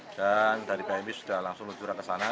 dan dari pmi sudah langsung luncuran ke sana